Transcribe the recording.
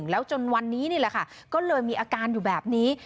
แล้วจนวันนี้นี่แหละค่ะก็เลยมีอาการอยู่แบบนี้